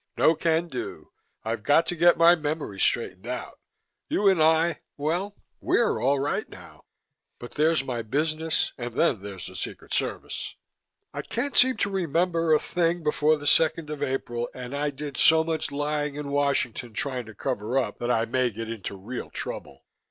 "No can do. I've got to get my memory straightened out. You and I well, we're all right now. But there's my business and then there's the Secret Service. I can't seem to remember a thing before the second of April and I did so much lying in Washington, trying to cover up, that I may get into real trouble.